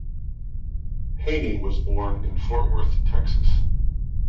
Haynie was born in Fort Worth, Texas.